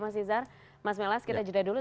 mas izar mas melas kita jeda dulu